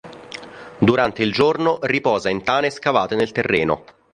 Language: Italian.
Durante il giorno riposa in tane scavate nel terreno.